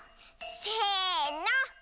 せの。